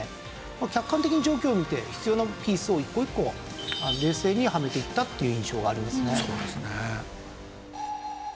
客観的に状況を見て必要なピースを一個一個冷静にはめていったっていう印象がありますね。